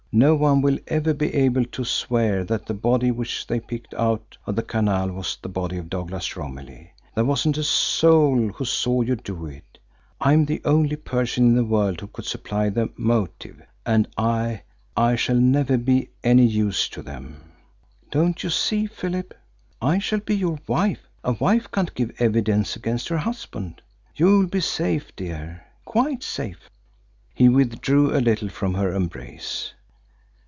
No one will ever be able to swear that the body which they picked out of the canal was the body of Douglas Romilly. There wasn't a soul who saw you do it. I am the only person in the world who could supply the motive, and I I shall never be any use to them. Don't you see, Philip?... I shall be your wife! A wife can't give evidence against her husband! You'll be safe, dear quite safe." He withdrew a little from her embrace.